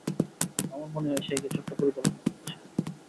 আমার মনে হয় সে কিছু একটা পরিকল্পনা করছে।